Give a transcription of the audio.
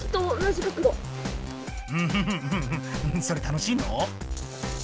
それ楽しいの？